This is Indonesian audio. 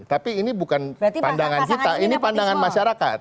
tapi ini bukan pandangan kita ini pandangan masyarakat